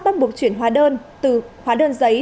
bắt buộc chuyển hóa đơn từ hóa đơn giấy